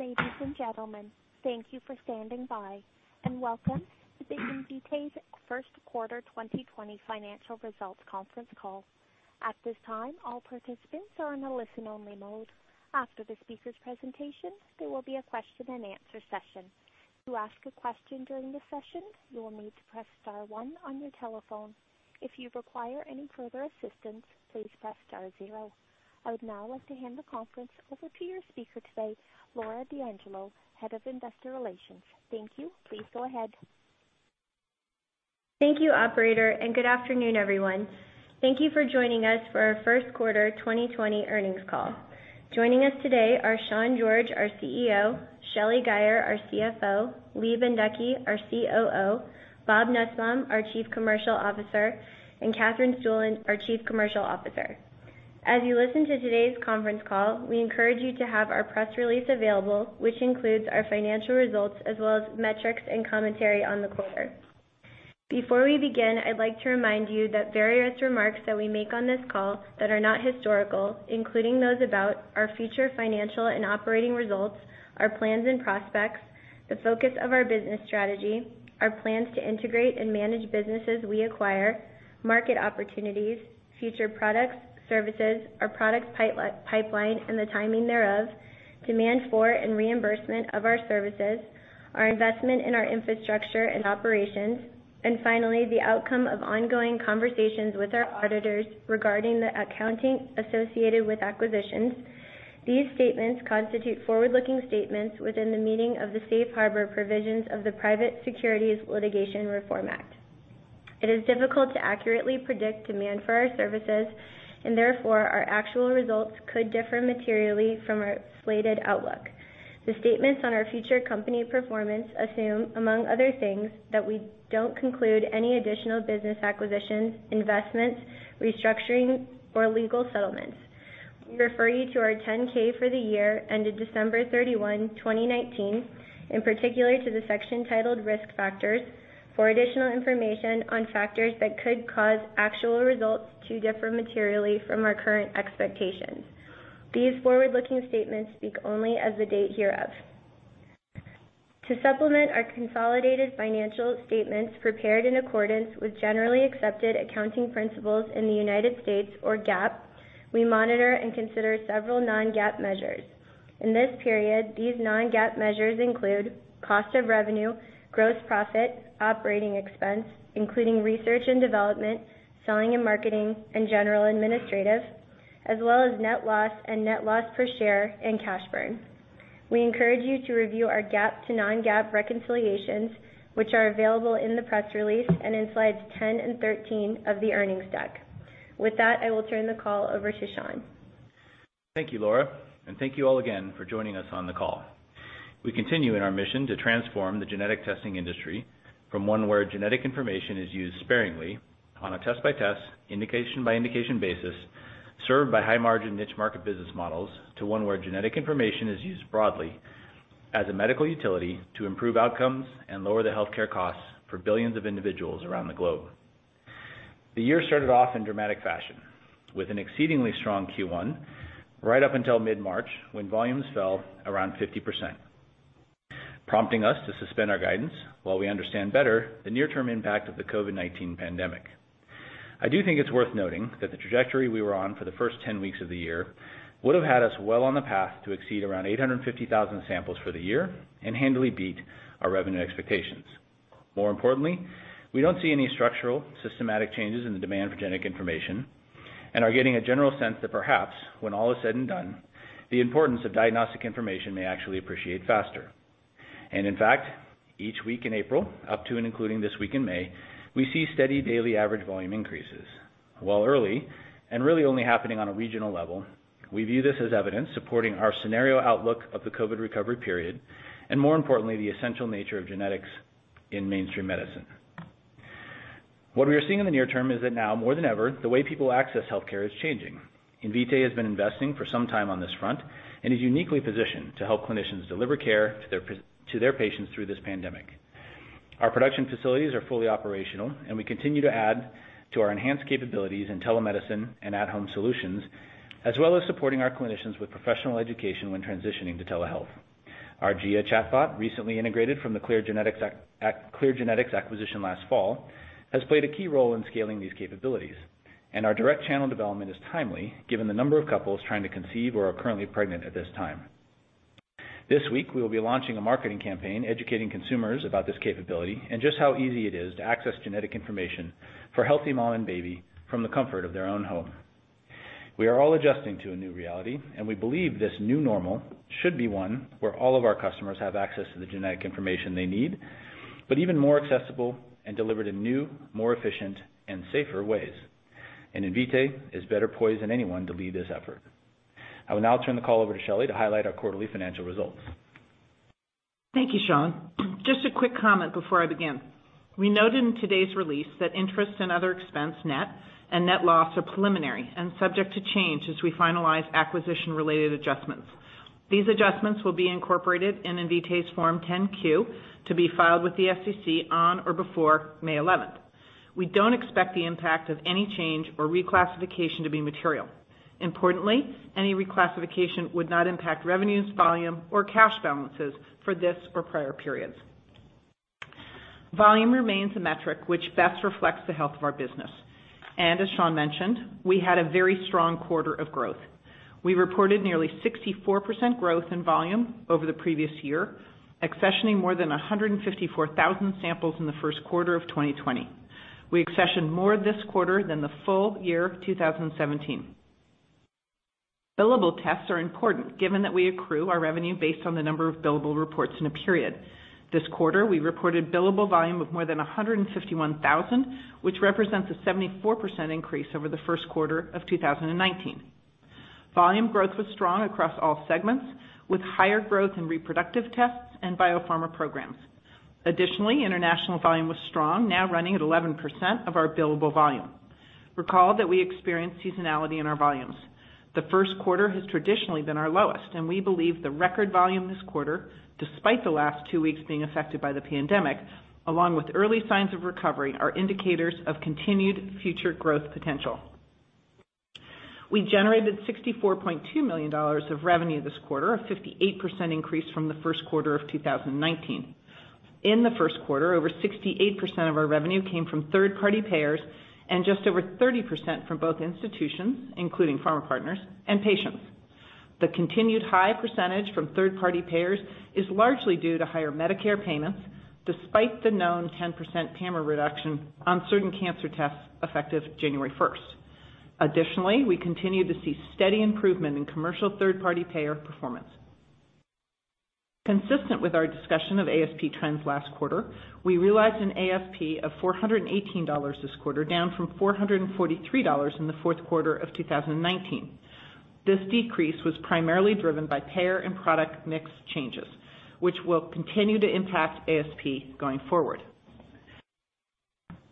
Ladies and gentlemen, thank you for standing by, and welcome to Invitae's Q1 2020 Financial Results Conference Call. At this time, all participants are in a listen-only mode. After the speakers' presentation, there will be a question and answer session. To ask a question during the session, you will need to press star one on your telephone. If you require any further assistance, please press star zero. I would now like to hand the conference over to your speaker today, Laura D'Angelo, Head of Investor Relations. Thank you. Please go ahead. Thank you operator, and good afternoon, everyone. Thank you for joining us for our Q1 2020 Earnings Call. Joining us today are Sean George, our CEO, Shelly Guyer, our CFO, Lee Bendekgey, our COO, Bob Nussbaum, our Chief Medical Officer, and Katherine Stueland, our Chief Commercial Officer. As you listen to today's conference call, we encourage you to have our press release available, which includes our financial results as well as metrics and commentary on the quarter. Before we begin, I'd like to remind you that various remarks that we make on this call that are not historical, including those about our future financial and operating results, our plans and prospects, the focus of our business strategy, our plans to integrate and manage businesses we acquire, market opportunities, future products, services, our product pipeline, and the timing thereof, demand for and reimbursement of our services, our investment in our infrastructure and operations, and finally, the outcome of ongoing conversations with our auditors regarding the accounting associated with acquisitions. These statements constitute forward-looking statements within the meaning of the Safe Harbor provisions of the Private Securities Litigation Reform Act. Therefore, our actual results could differ materially from our slated outlook. The statements on our future company performance assume, among other things, that we don't conclude any additional business acquisitions, investments, restructuring, or legal settlements. We refer you to our 10-K for the year ended December 31, 2019, in particular to the section titled Risk Factors, for additional information on factors that could cause actual results to differ materially from our current expectations. These forward-looking statements speak only as of the date hereof. To supplement our consolidated financial statements prepared in accordance with generally accepted accounting principles in the United States, or GAAP, we monitor and consider several non-GAAP measures. In this period, these non-GAAP measures include cost of revenue, gross profit, operating expense, including research and development, selling and marketing, and general administrative, as well as net loss and net loss per share and cash burn. We encourage you to review our GAAP to non-GAAP reconciliations, which are available in the press release and in slides 10 and 13 of the earnings deck. With that, I will turn the call over to Sean. Thank you, Laura, and thank you all again for joining us on the call. We continue in our mission to transform the genetic testing industry from one where genetic information is used sparingly on a test-by-test, indication-by-indication basis, served by high margin niche market business models, to one where genetic information is used broadly as a medical utility to improve outcomes and lower the healthcare costs for billions of individuals around the globe. The year started off in dramatic fashion, with an exceedingly strong Q1 right up until mid-March, when volumes fell around 50%, prompting us to suspend our guidance while we understand better the near-term impact of the COVID-19 pandemic. I do think it's worth noting that the trajectory we were on for the first 10 weeks of the year would've had us well on the path to exceed around 850,000 samples for the year and handily beat our revenue expectations. More importantly, we don't see any structural, systematic changes in the demand for genetic information, and are getting a general sense that perhaps, when all is said and done, the importance of diagnostic information may actually appreciate faster. In fact, each week in April, up to and including this week in May, we see steady daily average volume increases. While early, and really only happening on a regional level, we view this as evidence supporting our scenario outlook of the COVID recovery period, and more importantly, the essential nature of genetics in mainstream medicine. What we are seeing in the near term is that now, more than ever, the way people access healthcare is changing. Invitae has been investing for some time on this front and is uniquely positioned to help clinicians deliver care to their patients through this pandemic. Our production facilities are fully operational, and we continue to add to our enhanced capabilities in telemedicine and at-home solutions, as well as supporting our clinicians with professional education when transitioning to telehealth. Our Gia chatbot, recently integrated from the Clear Genetics acquisition last fall, has played a key role in scaling these capabilities, and our direct channel development is timely given the number of couples trying to conceive or are currently pregnant at this time. This week, we will be launching a marketing campaign educating consumers about this capability and just how easy it is to access genetic information for a healthy mom and baby from the comfort of their own home. We believe this new normal should be one where all of our customers have access to the genetic information they need, but even more accessible and delivered in new, more efficient, and safer ways. Invitae is better poised than anyone to lead this effort. I will now turn the call over to Shelly to highlight our quarterly financial results. Thank you, Sean. Just a quick comment before I begin. We noted in today's release that interest and other expense net and net loss are preliminary and subject to change as we finalize acquisition-related adjustments. These adjustments will be incorporated in Invitae's Form 10-Q to be filed with the SEC on or before May 11th. We don't expect the impact of any change or reclassification to be material. Importantly, any reclassification would not impact revenues, volume, or cash balances for this or prior periods. Volume remains a metric which best reflects the health of our business. As Sean mentioned, we had a very strong quarter of growth. We reported nearly 64% growth in volume over the previous year, accessioning more than 154,000 samples in the Q1 of 2020. We accessioned more this quarter than the full year of 2017. Billable tests are important given that we accrue our revenue based on the number of billable reports in a period. This quarter, we reported billable volume of more than 151,000, which represents a 74% increase over the Q1 of 2019. Volume growth was strong across all segments, with higher growth in reproductive tests and biopharma programs. Additionally, international volume was strong, now running at 11% of our billable volume. Recall that we experience seasonality in our volumes. The Q1 has traditionally been our lowest, and we believe the record volume this quarter, despite the last two weeks being affected by the pandemic, along with early signs of recovery, are indicators of continued future growth potential. We generated $64.2 million of revenue this quarter, a 58% increase from the Q1 of 2019. In the Q1, over 68% of our revenue came from third-party payers and just over 30% from both institutions, including pharma partners and patients. The continued high percentage from third-party payers is largely due to higher Medicare payments, despite the known 10% PAMA reduction on certain cancer tests effective January 1st. Additionally, we continue to see steady improvement in commercial third-party payer performance. Consistent with our discussion of ASP trends last quarter, we realized an ASP of $418 this quarter, down from $443 in the Q4 of 2019. This decrease was primarily driven by payer and product mix changes, which will continue to impact ASP going forward.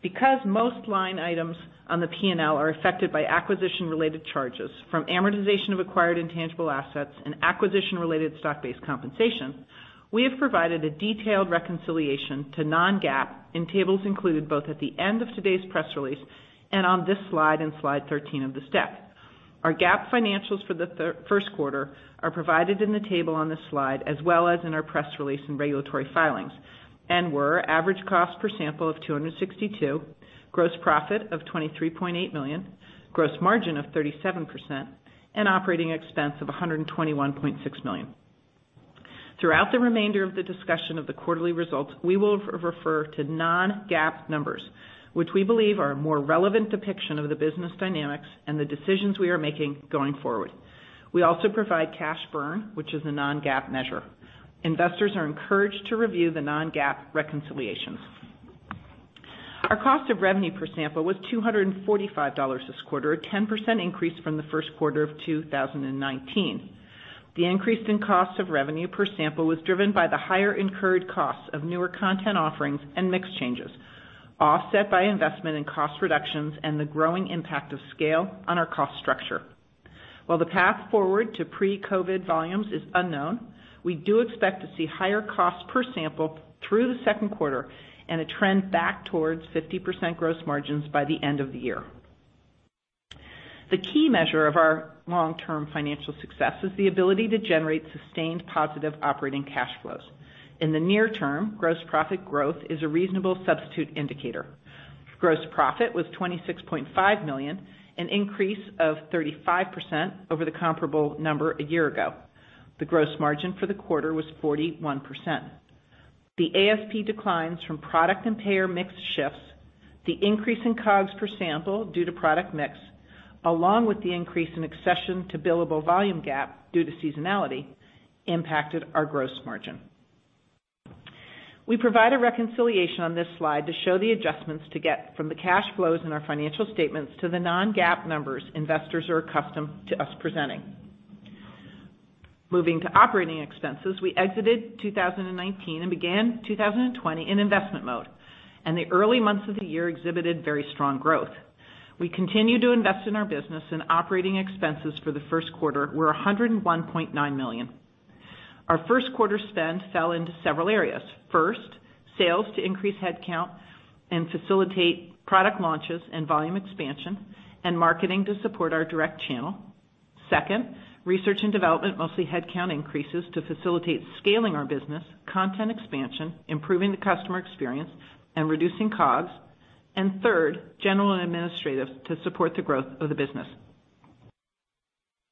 Because most line items on the P&L are affected by acquisition-related charges from amortization of acquired intangible assets and acquisition related stock-based compensation, we have provided a detailed reconciliation to non-GAAP in tables included both at the end of today's press release and on this slide and Slide 13 of the deck. Our GAAP financials for Q1 are provided in the table on this slide, as well as in our press release and regulatory filings, and were average cost per sample of $262, gross profit of $23.8 million, gross margin of 37%, and operating expense of $121.6 million. Throughout the remainder of the discussion of the quarterly results, we will refer to non-GAAP numbers, which we believe are a more relevant depiction of the business dynamics and the decisions we are making going forward. We also provide cash burn, which is a non-GAAP measure. Investors are encouraged to review the non-GAAP reconciliations. Our cost of revenue per sample was $245 this quarter, a 10% increase from the Q1 of 2019. The increase in cost of revenue per sample was driven by the higher incurred costs of newer content offerings and mix changes, offset by investment in cost reductions and the growing impact of scale on our cost structure. While the path forward to pre-COVID volumes is unknown, we do expect to see higher cost per sample through the Q2 and a trend back towards 50% gross margins by the end of the year. The key measure of our long-term financial success is the ability to generate sustained positive operating cash flows. In the near term, gross profit growth is a reasonable substitute indicator. Gross profit was $26.5 million, an increase of 35% over the comparable number a year ago. The gross margin for the quarter was 41%. The ASP declines from product and payer mix shifts, the increase in COGS per sample due to product mix, along with the increase in accession to billable volume gap due to seasonality impacted our gross margin. We provide a reconciliation on this slide to show the adjustments to get from the cash flows in our financial statements to the non-GAAP numbers investors are accustomed to us presenting. Moving to operating expenses, we exited 2019 and began 2020 in investment mode, and the early months of the year exhibited very strong growth. We continue to invest in our business, and operating expenses for Q1 were $101.9 million. Our Q1 spend fell into several areas. First, sales to increase headcount and facilitate product launches and volume expansion, and marketing to support our direct channel. Second, research and development, mostly headcount increases to facilitate scaling our business, content expansion, improving the customer experience, and reducing COGS. Third, general and administrative to support the growth of the business.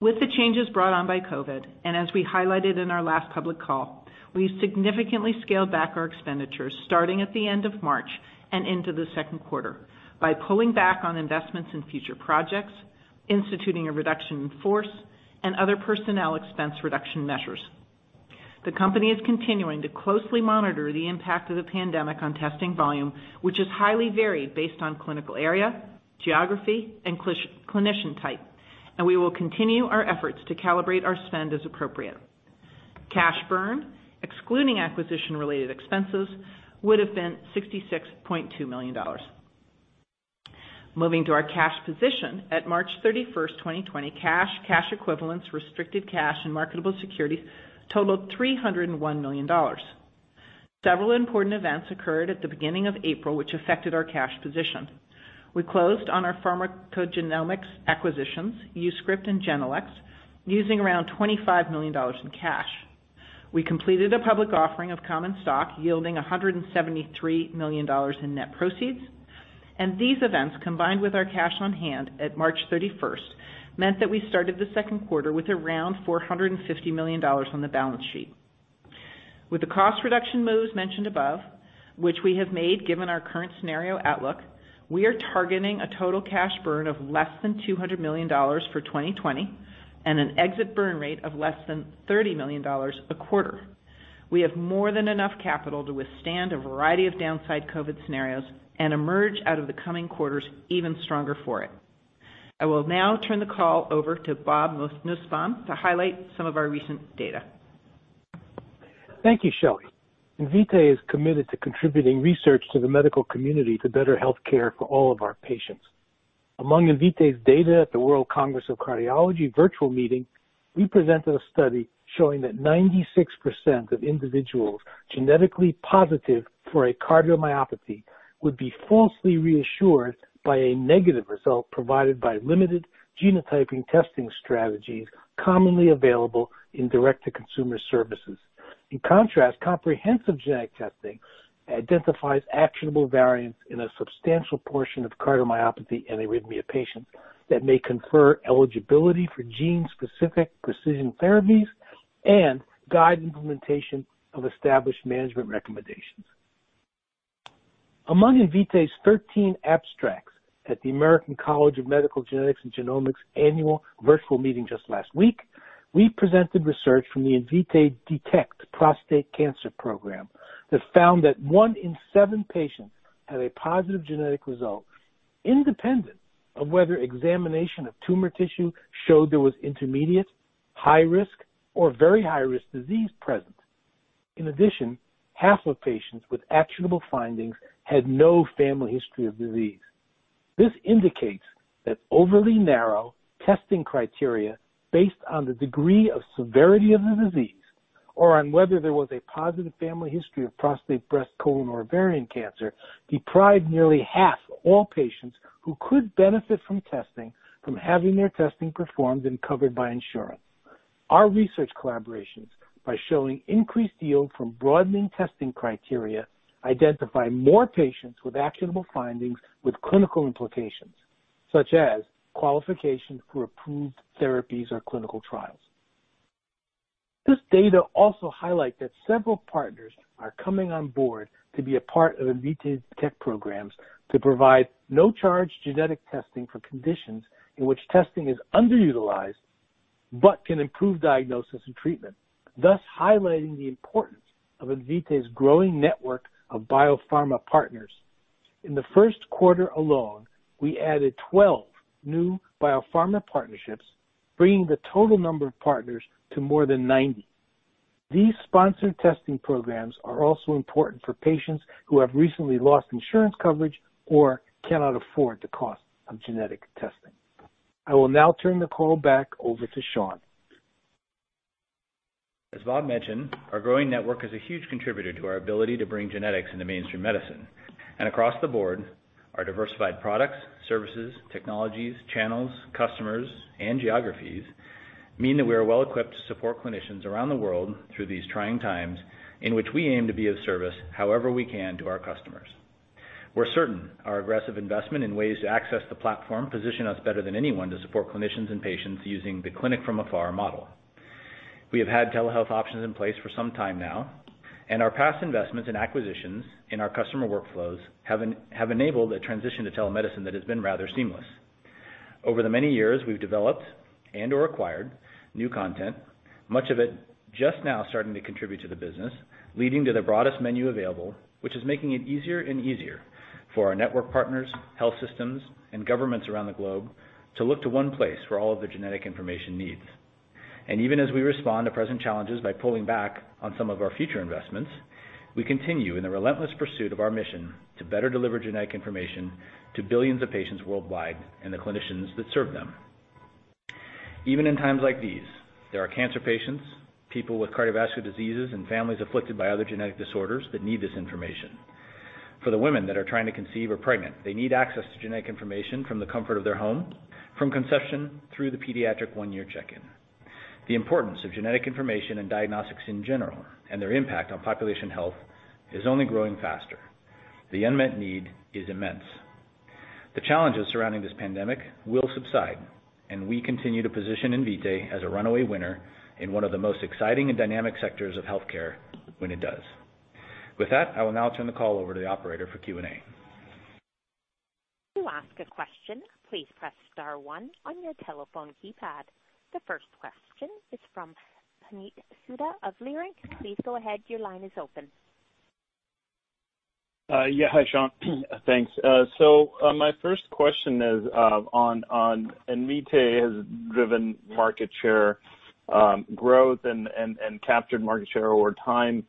With the changes brought on by COVID, and as we highlighted in our last public call, we significantly scaled back our expenditures starting at the end of March and into the Q2 by pulling back on investments in future projects, instituting a reduction in force, and other personnel expense reduction measures. The company is continuing to closely monitor the impact of the pandemic on testing volume, which is highly varied based on clinical area, geography, and clinician type, and we will continue our efforts to calibrate our spend as appropriate. Cash burn, excluding acquisition-related expenses, would have been $66.2 million. Moving to our cash position. At March 31st, 2020, cash equivalents, restricted cash and marketable securities totaled $301 million. Several important events occurred at the beginning of April which affected our cash position. We closed on our pharmacogenomics acquisitions, YouScript and Genelex, using around $25 million in cash. We completed a public offering of common stock yielding $173 million in net proceeds, and these events, combined with our cash on hand at March 31st, meant that we started Q2 with around $450 million on the balance sheet. With the cost reduction moves mentioned above, which we have made given our current scenario outlook, we are targeting a total cash burn of less than $200 million for 2020 and an exit burn rate of less than $30 million a quarter. We have more than enough capital to withstand a variety of downside COVID scenarios and emerge out of the coming quarters even stronger for it. I will now turn the call over to Bob Nussbaum to highlight some of our recent data. Thank you, Shelly. Invitae is committed to contributing research to the medical community for better health care for all of our patients. Among Invitae's data at the World Congress of Cardiology virtual meeting, we presented a study showing that 96% of individuals genetically positive for a cardiomyopathy would be falsely reassured by a negative result provided by limited genotyping testing strategies commonly available in direct-to-consumer services. In contrast, comprehensive genetic testing identifies actionable variants in a substantial portion of cardiomyopathy and arrhythmia patients that may confer eligibility for gene-specific precision therapies and guide implementation of established management recommendations. Among Invitae's 13 abstracts at the American College of Medical Genetics and Genomics Annual Virtual Meeting just last week, we presented research from the Invitae Detect Prostate Cancer Program that found that one in seven patients had a positive genetic result, independent of whether examination of tumor tissue showed there was intermediate, high risk, or very high-risk disease present. In addition, half of patients with actionable findings had no family history of disease. This indicates that overly narrow testing criteria based on the degree of severity of the disease or on whether there was a positive family history of prostate, breast, colon, or ovarian cancer, deprived nearly half of all patients who could benefit from testing from having their testing performed and covered by insurance. Our research collaborations, by showing increased yield from broadening testing criteria, identify more patients with actionable findings with clinical implications, such as qualification for approved therapies or clinical trials. This data also highlight that several partners are coming on board to be a part of Invitae's tech programs to provide no-charge genetic testing for conditions in which testing is underutilized but can improve diagnosis and treatment, thus highlighting the importance of Invitae's growing network of biopharma partners. In Q1 alone, we added 12 new biopharma partnerships, bringing the total number of partners to more than 90. These sponsored testing programs are also important for patients who have recently lost insurance coverage or cannot afford the cost of genetic testing. I will now turn the call back over to Sean. As Bob mentioned, our growing network is a huge contributor to our ability to bring genetics into mainstream medicine. Across the board, our diversified products, services, technologies, channels, customers, and geographies mean that we are well-equipped to support clinicians around the world through these trying times in which we aim to be of service however we can to our customers. We're certain our aggressive investment in ways to access the platform position us better than anyone to support clinicians and patients using the clinic-from-afar model. We have had telehealth options in place for some time now, and our past investments and acquisitions in our customer workflows have enabled a transition to telemedicine that has been rather seamless. Over the many years, we've developed and/or acquired new content, much of it just now starting to contribute to the business, leading to the broadest menu available, which is making it easier and easier for our network partners, health systems, and governments around the globe to look to one place for all of their genetic information needs. Even as we respond to present challenges by pulling back on some of our future investments, we continue in the relentless pursuit of our mission to better deliver genetic information to billions of patients worldwide and the clinicians that serve them. Even in times like these, there are cancer patients, people with cardiovascular diseases, and families afflicted by other genetic disorders that need this information. For the women that are trying to conceive or pregnant, they need access to genetic information from the comfort of their home, from conception through the pediatric one-year check-in. The importance of genetic information and diagnostics in general and their impact on population health is only growing faster. The unmet need is immense. The challenges surrounding this pandemic will subside, and we continue to position Invitae as a runaway winner in one of the most exciting and dynamic sectors of healthcare when it does. With that, I will now turn the call over to the operator for Q&A. To ask a question, please press star one on your telephone keypad. The first question is from Puneet Souda of Leerink. Please go ahead, your line is open. Yeah. Hi, Sean. Thanks. My first question is on Invitae has driven market share growth and captured market share over time.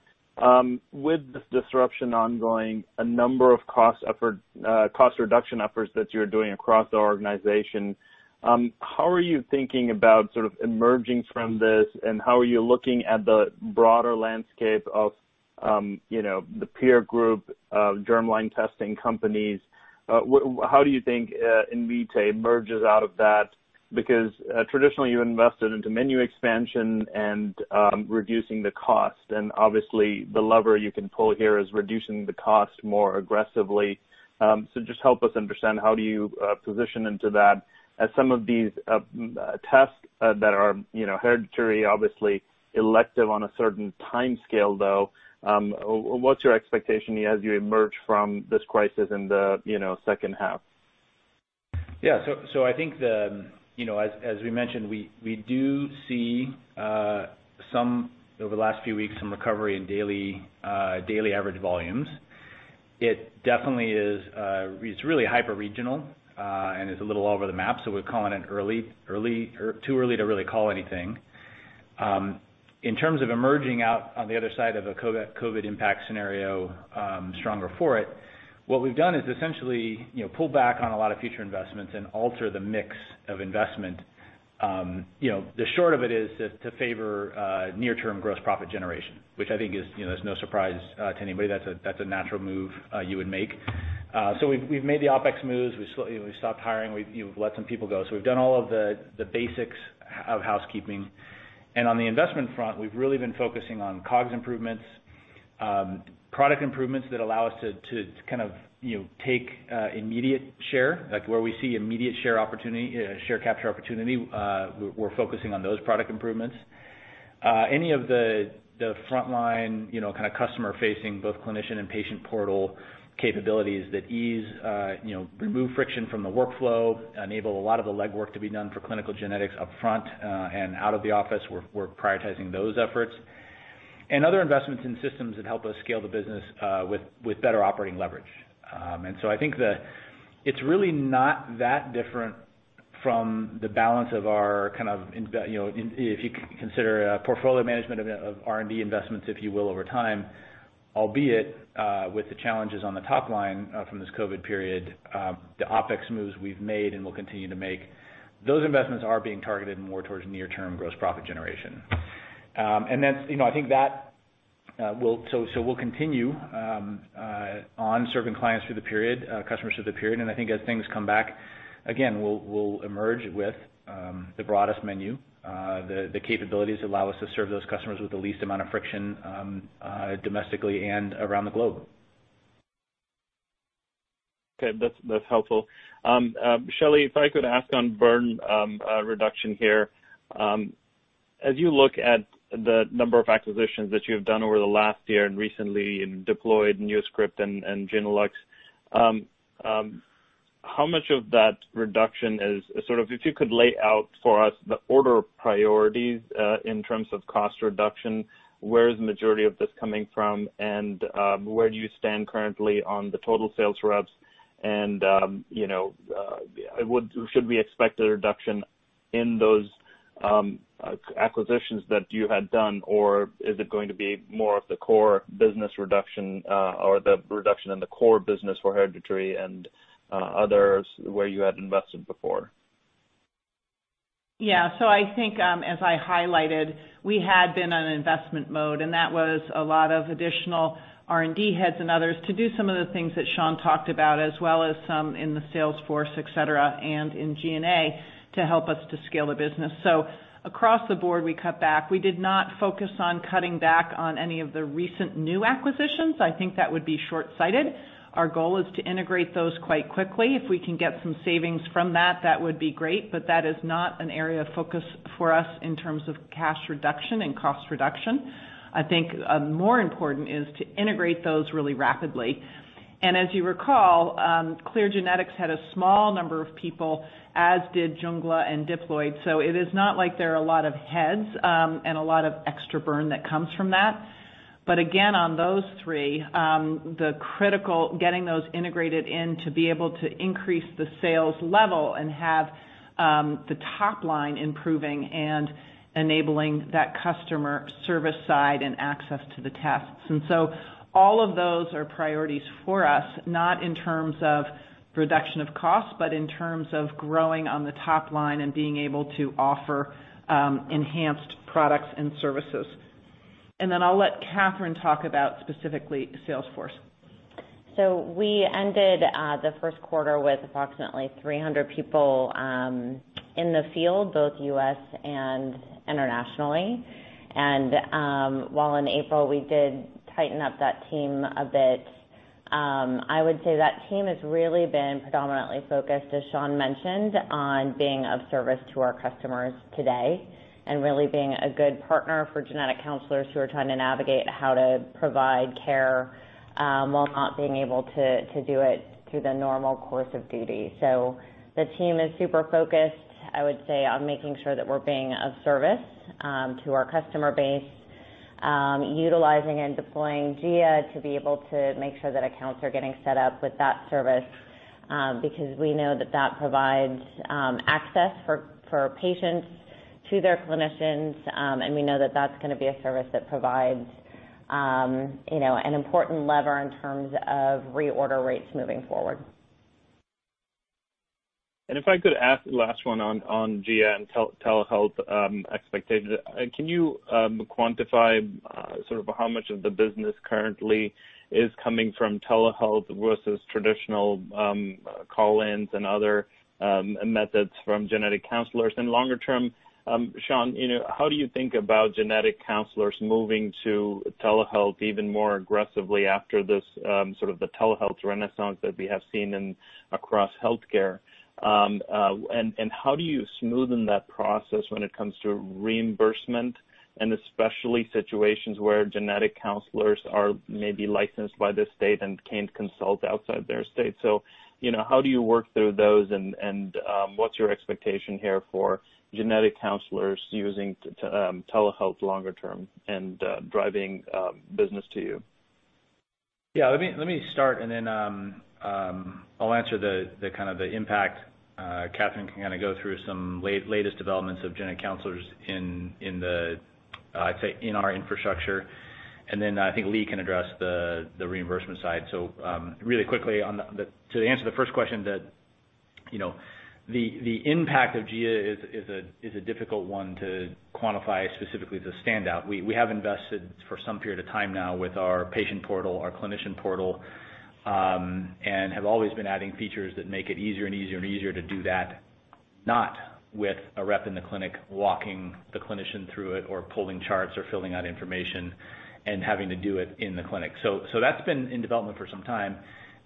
With this disruption ongoing, a number of cost reduction efforts that you're doing across the organization, how are you thinking about sort of emerging from this, and how are you looking at the broader landscape of the peer group of germline testing companies? How do you think Invitae emerges out of that? Traditionally, you invested into menu expansion and reducing the cost, and obviously the lever you can pull here is reducing the cost more aggressively. Just help us understand how do you position into that as some of these tests that are hereditary, obviously elective on a certain timescale, though. What's your expectation as you emerge from this crisis in the H2? Yeah. I think, as we mentioned, we do see, over the last few weeks, some recovery in daily average volumes. It definitely is really hyper-regional, and is a little all over the map, so too early to really call anything. In terms of emerging out on the other side of a COVID-19 impact scenario, stronger for it, what we've done is essentially pull back on a lot of future investments and alter the mix of investment. The short of it is to favor near-term gross profit generation, which I think is no surprise to anybody. That's a natural move you would make. We've made the OPEX moves. We've stopped hiring. We've let some people go. We've done all of the basics of housekeeping. On the investment front, we've really been focusing on COGS improvements, product improvements that allow us to kind of take immediate share, like where we see immediate share capture opportunity, we're focusing on those product improvements. Any of the frontline kind of customer-facing, both clinician and patient portal capabilities that ease, remove friction from the workflow, enable a lot of the legwork to be done for clinical genetics upfront and out of the office, we're prioritizing those efforts. Other investments in systems that help us scale the business with better operating leverage. I think that it's really not that different from the balance of our kind of, if you consider a portfolio management of R&D investments, if you will, over time, albeit with the challenges on the top line from this COVID period, the OpEx moves we've made and will continue to make, those investments are being targeted more towards near-term gross profit generation. We'll continue on serving clients through the period, customers through the period, and I think as things come back, again, we'll emerge with the broadest menu. The capabilities allow us to serve those customers with the least amount of friction, domestically and around the globe. Okay. That's helpful. Shelly, if I could ask on burn reduction here. As you look at the number of acquisitions that you've done over the last year and recently in Diploid, YouScript and Genelex, if you could lay out for us the order of priorities, in terms of cost reduction, where is the majority of this coming from, and where do you stand currently on the total sales reps and should we expect a reduction in those acquisitions that you had done, or is it going to be more of the core business reduction, or the reduction in the core business for Hereditary and others where you had invested before? Yeah. I think, as I highlighted, we had been on an investment mode, and that was a lot of additional R&D heads and others to do some of the things that Sean talked about, as well as some in the sales force, et cetera, and in G&A to help us to scale the business. Across the board, we cut back. We did not focus on cutting back on any of the recent new acquisitions. I think that would be shortsighted. Our goal is to integrate those quite quickly. If we can get some savings from that would be great, that is not an area of focus for us in terms of cash reduction and cost reduction. I think more important is to integrate those really rapidly. As you recall, Clear Genetics had a small number of people, as did Jungla and Diploid. It is not like there are a lot of heads, and a lot of extra burn that comes from that. Again, on those three, the critical, getting those integrated in to be able to increase the sales level and have the top line improving and enabling that customer service side and access to the tests. All of those are priorities for us, not in terms of reduction of cost, but in terms of growing on the top line and being able to offer enhanced products and services. Then I'll let Katherine talk about, specifically, Salesforce. We ended Q1 with approximately 300 people in the field, both U.S. and internationally. While in April we did tighten up that team a bit, I would say that team has really been predominantly focused, as Sean mentioned, on being of service to our customers today, and really being a good partner for genetic counselors who are trying to navigate how to provide care, while not being able to do it through the normal course of duty. The team is super focused, I would say, on making sure that we're being of service to our customer base. Utilizing and deploying Gia to be able to make sure that accounts are getting set up with that service, because we know that provides access for patients to their clinicians, and we know that that's going to be a service that provides an important lever in terms of reorder rates moving forward. If I could ask the last one on Gia and telehealth expectations. Can you quantify how much of the business currently is coming from telehealth versus traditional call-ins and other methods from genetic counselors? Longer term, Sean, how do you think about genetic counselors moving to telehealth even more aggressively after the telehealth renaissance that we have seen across healthcare? How do you smoothen that process when it comes to reimbursement, and especially situations where genetic counselors are maybe licensed by the state and can't consult outside their state? How do you work through those and what's your expectation here for genetic counselors using telehealth longer term and driving business to you? Yeah, let me start and then I'll answer the impact. Katherine can go through some latest developments of genetic counselors in our infrastructure, then I think Lee can address the reimbursement side. Really quickly, to answer the first question that the impact of Gia is a difficult one to quantify specifically as a standout. We have invested for some period of time now with our patient portal, our clinician portal, and have always been adding features that make it easier and easier to do that, not with a rep in the clinic walking the clinician through it or pulling charts or filling out information and having to do it in the clinic. That's been in development for some time.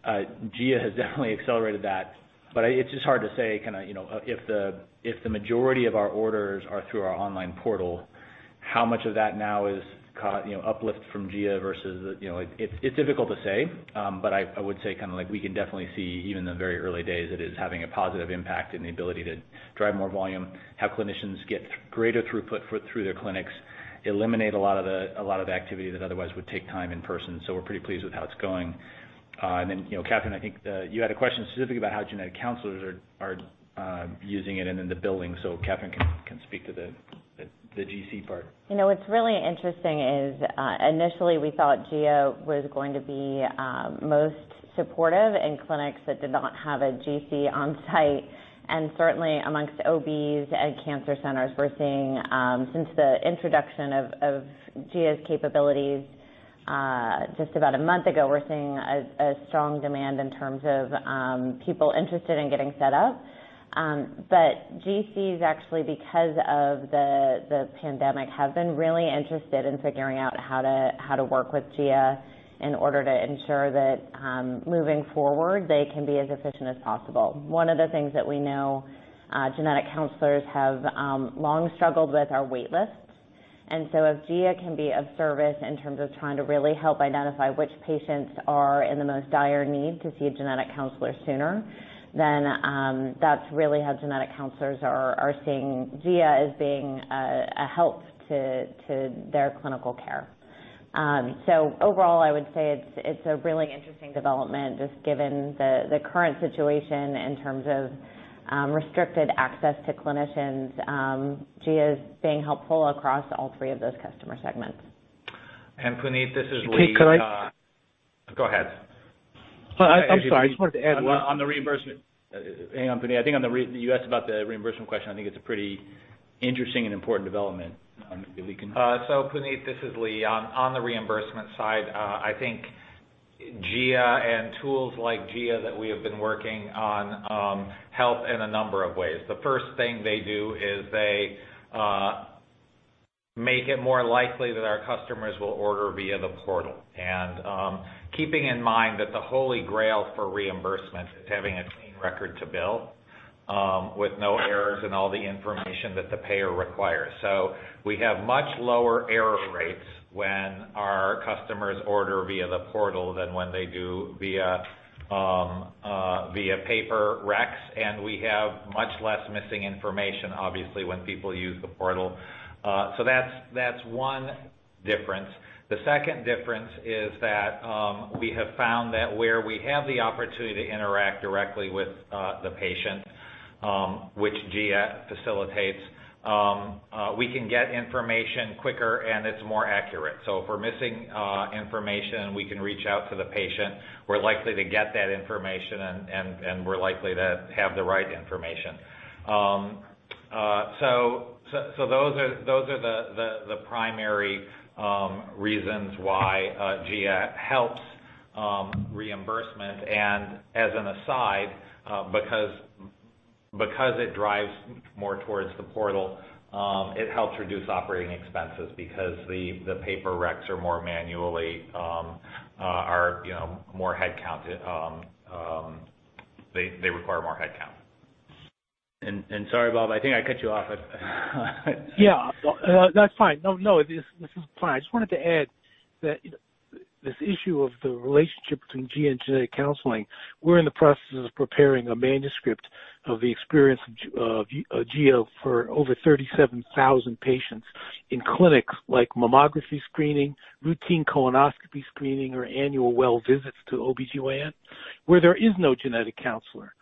Gia has definitely accelerated that, but it's just hard to say if the majority of our orders are through our online portal, how much of that now is uplift from Gia. It's difficult to say. I would say we can definitely see, even in the very early days, that it is having a positive impact in the ability to drive more volume, have clinicians get greater throughput through their clinics, eliminate a lot of the activity that otherwise would take time in person. We're pretty pleased with how it's going. Catherine, I think you had a question specifically about how genetic counselors are using it and then the billing. Katherine can speak to the GC part. What's really interesting is initially we thought Gia was going to be most supportive in clinics that did not have a GC on site, and certainly amongst OBs and cancer centers, we're seeing, since the introduction of Gia's capabilities just about a month ago, we're seeing a strong demand in terms of people interested in getting set up. GCs, actually because of the pandemic, have been really interested in figuring out how to work with Gia in order to ensure that moving forward, they can be as efficient as possible. One of the things that we know genetic counselors have long struggled with are wait lists. If Gia can be of service in terms of trying to really help identify which patients are in the most dire need to see a genetic counselor sooner, then that's really how genetic counselors are seeing Gia as being a help to their clinical care. Overall, I would say it's a really interesting development, just given the current situation in terms of restricted access to clinicians. Gia is being helpful across all three of those customer segments. Puneet, this is Lee. Okay, go ahead. Go ahead. Oh, I'm sorry. I just wanted to add. On the reimbursement. Hang on, Puneet. You asked about the reimbursement question. I think it's a pretty interesting and important development. Puneet, this is Lee. On the reimbursement side, I think Gia and tools like Gia that we have been working on help in a number of ways. The first thing they do is they make it more likely that our customers will order via the portal. Keeping in mind that the holy grail for reimbursement is having a clean record to bill, with no errors in all the information that the payer requires. We have much lower error rates when our customers order via the portal than when they do via paper recs, and we have much less missing information, obviously, when people use the portal. That's one difference. The second difference is that we have found that where we have the opportunity to interact directly with the patient, which Gia facilitates, we can get information quicker and it's more accurate. If we're missing information, we can reach out to the patient. We're likely to get that information and we're likely to have the right information. Those are the primary reasons why Gia helps reimbursement. As an aside, because it drives more towards the portal, it helps reduce operating expenses because the paper recs are more headcount. They require more headcount. Sorry, Bob, I think I cut you off. Yeah. No, that's fine. I just wanted to add- This issue of the relationship between G and genetic counseling, we're in the process of preparing a manuscript of the experience of G for over 37,000 patients in clinics like mammography screening, routine colonoscopy screening, or annual well visits to OBGYN, where there is no genetic counselor.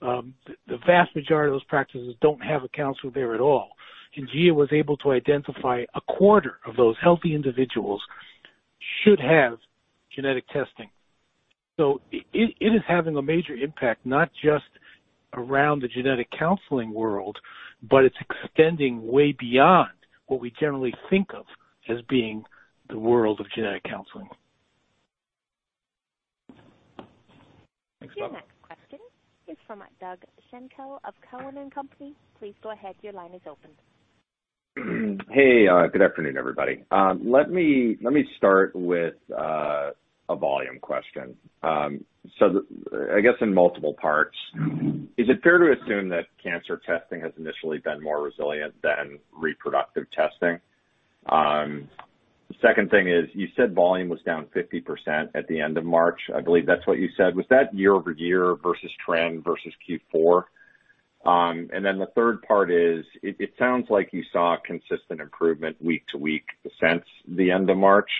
The vast majority of those practices don't have a counselor there at all. G was able to identify a quarter of those healthy individuals should have genetic testing. It is having a major impact, not just around the genetic counseling world, but it's extending way beyond what we generally think of as being the world of genetic counseling. Your next question is from Doug Schenkel of Cowen and Company. Please go ahead. Your line is open. Hey, good afternoon, everybody. Let me start with a volume question. I guess in multiple parts. Is it fair to assume that cancer testing has initially been more resilient than reproductive testing? The second thing is, you said volume was down 50% at the end of March. I believe that's what you said. Was that year-over-year versus trend versus Q4? The third part is, it sounds like you saw consistent improvement week to week since the end of March.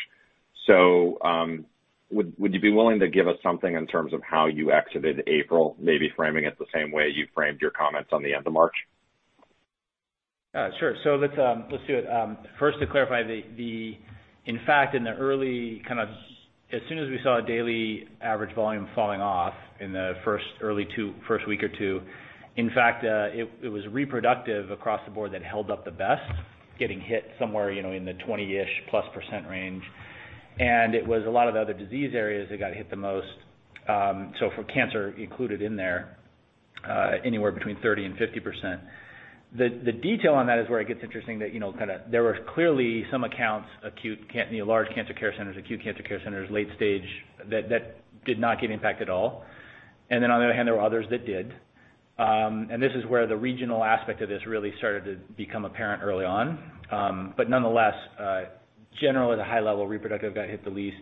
Would you be willing to give us something in terms of how you exited April, maybe framing it the same way you framed your comments on the end of March? Sure. Let's do it. First to clarify. In fact, as soon as we saw a daily average volume falling off in the first week or two, in fact, it was reproductive across the board that held up the best, getting hit somewhere in the 20-ish+% range, and it was a lot of the other disease areas that got hit the most. For cancer included in there, anywhere between 30% and 50%. The detail on that is where it gets interesting that there were clearly some accounts, large cancer care centers, acute cancer care centers, late stage, that did not get impacted at all. On the other hand, there were others that did. This is where the regional aspect of this really started to become apparent early on. Nonetheless, generally the high level reproductive got hit the least.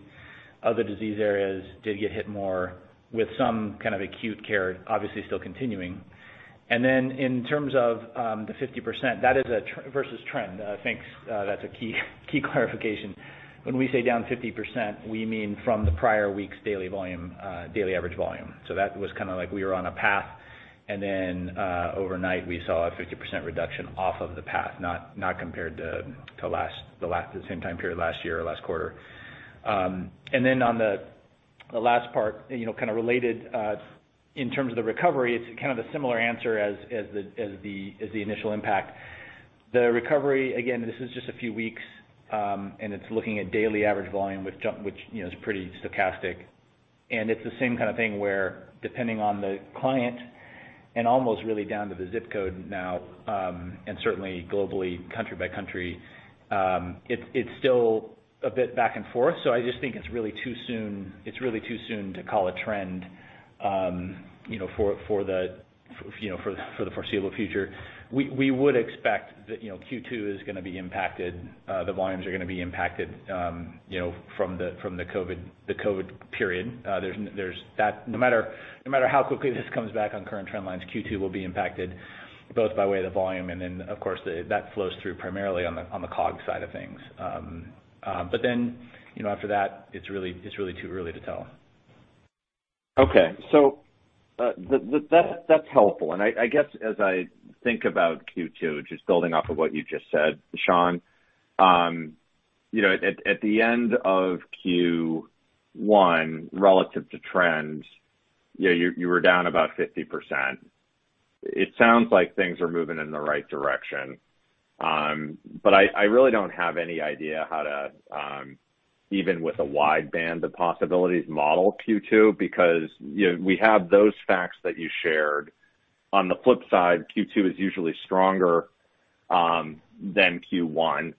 Other disease areas did get hit more, with some kind of acute care obviously still continuing. In terms of the 50%, that is versus trend. Thanks, that's a key clarification. When we say down 50%, we mean from the prior week's daily average volume. That was like we were on a path, and then overnight we saw a 50% reduction off of the path, not compared to the same time period last year or last quarter. On the last part, kind of related, in terms of the recovery, it's kind of a similar answer as the initial impact. The recovery, again, this is just a few weeks, and it's looking at daily average volume, which is pretty stochastic, and it's the same kind of thing where, depending on the client and almost really down to the ZIP code now, and certainly globally, country by country, it's still a bit back and forth. I just think it's really too soon to call a trend for the foreseeable future. We would expect that Q2 is going to be impacted. The volumes are going to be impacted from the COVID period. No matter how quickly this comes back on current trend lines, Q2 will be impacted both by way of the volume and then, of course, that flows through primarily on the COGS side of things. After that, it's really too early to tell. Okay. That's helpful. I guess as I think about Q2, just building off of what you just said, Sean, at the end of Q1, relative to trends, you were down about 50%. It sounds like things are moving in the right direction. I really don't have any idea how to, even with a wide band of possibilities, model Q2 because we have those facts that you shared. On the flip side, Q2 is usually stronger than Q1.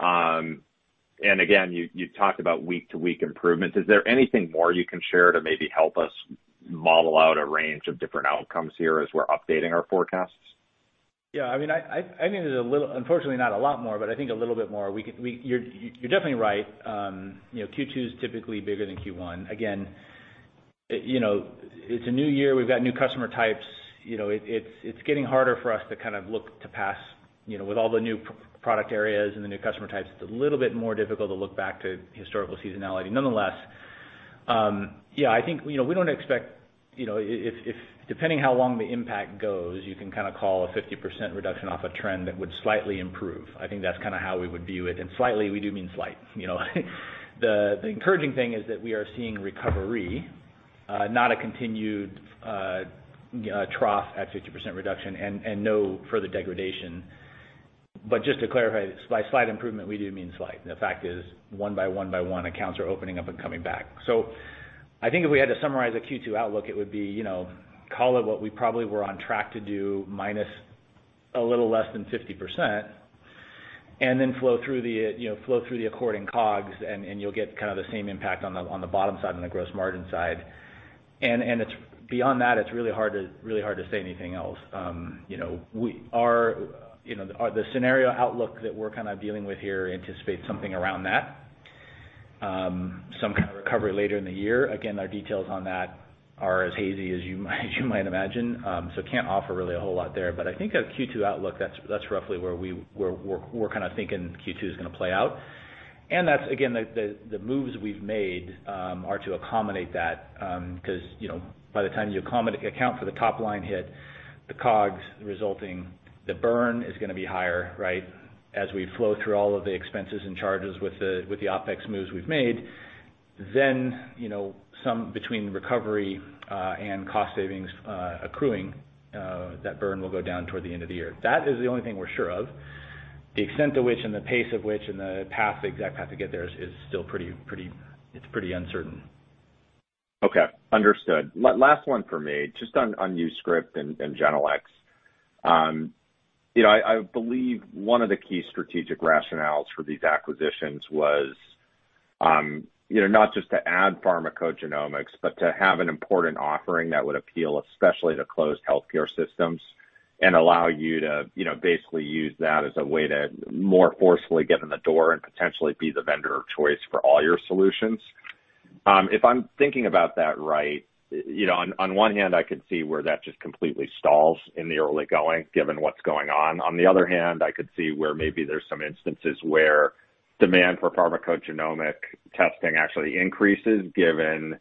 Again, you talked about week-to-week improvement. Is there anything more you can share to maybe help us model out a range of different outcomes here as we're updating our forecasts? Yeah. I mean, there's a little, unfortunately not a lot more, but I think a little bit more. You're definitely right. Q2 is typically bigger than Q1. It's a new year. We've got new customer types. With all the new product areas and the new customer types, it's a little bit more difficult to look back to historical seasonality. Yeah, depending how long the impact goes, you can kind of call a 50% reduction off a trend that would slightly improve. I think that's kind of how we would view it. Slightly, we do mean slight. The encouraging thing is that we are seeing recovery, not a continued trough at 50% reduction and no further degradation. Just to clarify, by slight improvement, we do mean slight. The fact is one by one by one, accounts are opening up and coming back. I think if we had to summarize a Q2 outlook, it would be call it what we probably were on track to do, minus a little less than 50%, and then flow through the according COGS and you'll get kind of the same impact on the bottom side and the gross margin side. Beyond that, it's really hard to say anything else. The scenario outlook that we're kind of dealing with here anticipates something around that. Some kind of recovery later in the year. Again, our details on that are as hazy as you might imagine. Can't offer really a whole lot there. I think a Q2 outlook, that's roughly where we're kind of thinking Q2 is going to play out. That's, again, the moves we've made are to accommodate that. Because, by the time you account for the top line hit, the COGS resulting, the burn is going to be higher, right? As we flow through all of the expenses and charges with the OpEx moves we've made, then, some between recovery, and cost savings accruing, that burn will go down toward the end of the year. That is the only thing we're sure of. The extent of which and the pace of which and the exact path to get there is still pretty uncertain. Okay, understood. Last one for me, just on YouScript and Genelex. I believe one of the key strategic rationales for these acquisitions was, not just to add pharmacogenomics, but to have an important offering that would appeal, especially to closed healthcare systems and allow you to basically use that as a way to more forcefully get in the door and potentially be the vendor of choice for all your solutions. If I'm thinking about that right, on one hand, I could see where that just completely stalls in the early going, given what's going on. On the other hand, I could see where maybe there's some instances where demand for pharmacogenomic testing actually increases, given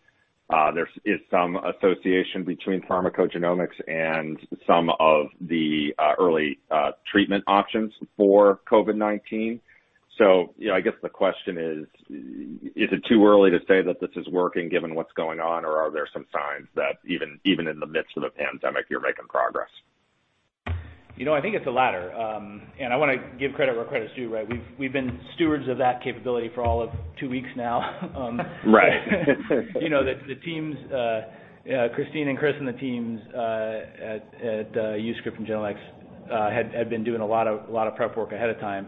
there is some association between pharmacogenomics and some of the early treatment options for COVID-19. I guess the question is it too early to say that this is working given what's going on, or are there some signs that even in the midst of a pandemic, you're making progress? I think it's the latter. I want to give credit where credit is due, right? We've been stewards of that capability for all of two weeks now. Right. The teams, Kristine and Chris and the teams at YouScript and Genelex had been doing a lot of prep work ahead of time.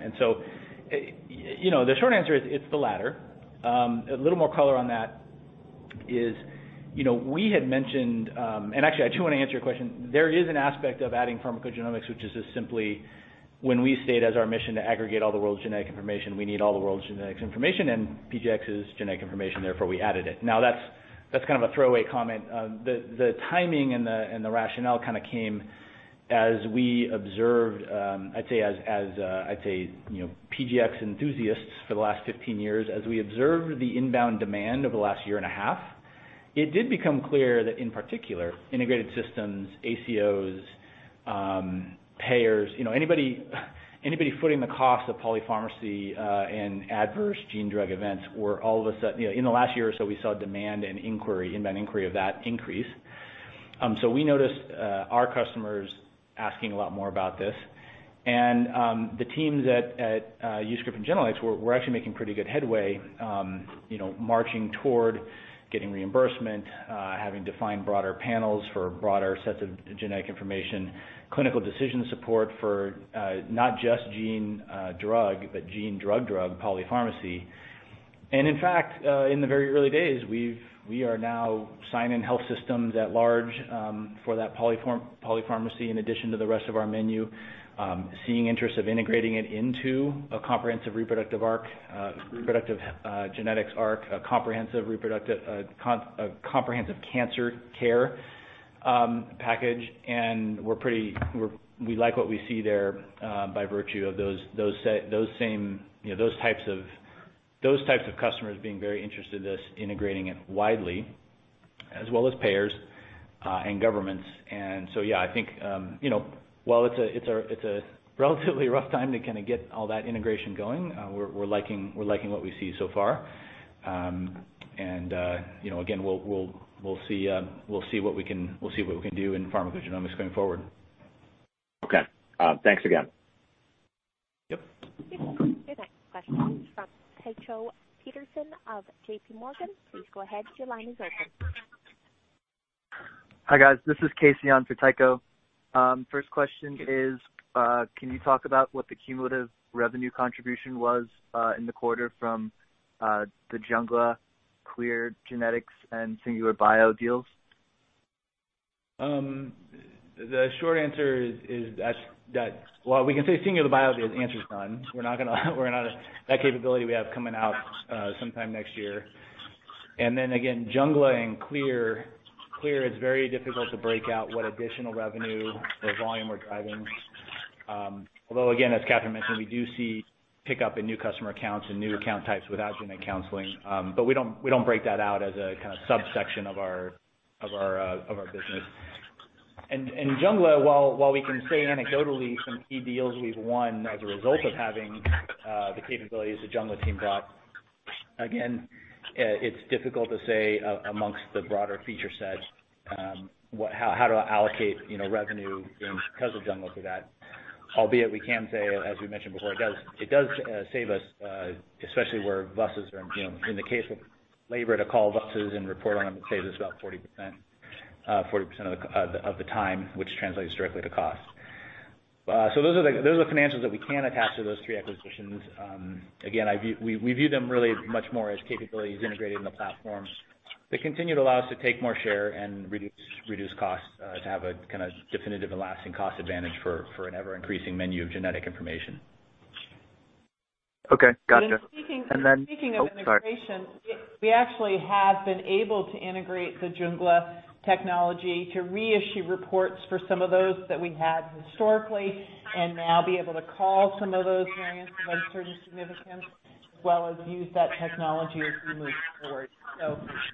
The short answer is, it's the latter. A little more color on that is, we had mentioned, and actually, I do want to answer your question. There is an aspect of adding pharmacogenomics, which is just simply when we state as our mission to aggregate all the world's genetic information, we need all the world's genetics information, and PGX is genetic information, therefore, we added it. Now, that's kind of a throwaway comment. The timing and the rationale kind of came as we observed, I'd say, as PGX enthusiasts for the last 15 years, as we observed the inbound demand over the last year and a half, it did become clear that in particular, integrated systems, ACOs, payers, anybody footing the cost of polypharmacy and adverse gene drug events in the last year or so, we saw demand and inquiry, inbound inquiry of that increase. We noticed our customers asking a lot more about this. The teams at YouScript and Genelex were actually making pretty good headway, marching toward getting reimbursement, having defined broader panels for broader sets of genetic information, clinical decision support for not just gene drug, but gene drug polypharmacy. In fact, in the very early days, we are now signing health systems at large for that polypharmacy in addition to the rest of our menu. Seeing interest of integrating it into a comprehensive reproductive arc, reproductive genetics arc, a comprehensive cancer care package. We like what we see there by virtue of those types of customers being very interested in us integrating it widely, as well as payers and governments. Yeah, I think while it's a relatively rough time to kind of get all that integration going, we're liking what we see so far. Again, we'll see what we can do in pharmacogenomics going forward. Okay. Thanks again. Yep. Your next question comes from Tycho Peterson of J.P. Morgan. Please go ahead. Your line is open. Hi, guys. This is Casey on for Tycho. First question is, can you talk about what the cumulative revenue contribution was in the quarter from the Jungla, Clear Genetics and Singular Bio deals? The short answer is that Well, we can say Singular Bio, the answer's none. That capability we have coming out sometime next year. Again, Jungla and Clear is very difficult to break out what additional revenue or volume we're driving. Although again, as Katherine mentioned, we do see pickup in new customer accounts and new account types without genetic counseling. We don't break that out as a kind of subsection of our business. Jungla, while we can say anecdotally some key deals we've won as a result of having the capabilities the Jungla team brought, again, it's difficult to say amongst the broader feature set, how to allocate revenue because of Jungla for that. Albeit we can say, as we mentioned before, it does save us, especially where VUS are in the case of labor, to call VUS and report on them, it saves us about 40% of the time, which translates directly to cost. Those are the financials that we can attach to those three acquisitions. Again, we view them really much more as capabilities integrated in the platform that continue to allow us to take more share and reduce costs to have a definitive and lasting cost advantage for an ever-increasing menu of genetic information. Okay. Gotcha. Speaking of integration, we actually have been able to integrate the Jungla technology to reissue reports for some of those that we had historically, and now be able to call some of those variants of uncertain significance, as well as use that technology as we move forward.